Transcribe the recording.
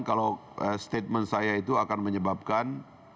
kalau statement saya itu akan menyebabkan